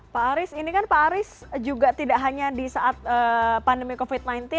pak aris ini kan pak aris juga tidak hanya di saat pandemi covid sembilan belas